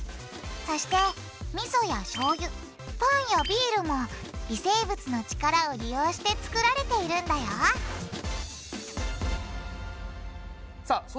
そしてみそやしょうゆパンやビールも微生物の力を利用して作られているんだよさあ